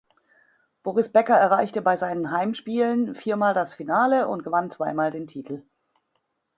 Boris Becker erreichte bei seinen "Heimspielen" viermal das Finale und gewann zweimal den Titel.